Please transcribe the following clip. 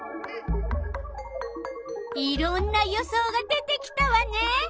いろんな予想が出てきたわね。